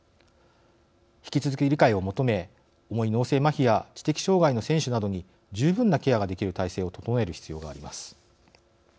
引き続き理解を求め重い脳性まひや知的障害の選手などに十分なケアができる体制を整える必要があります。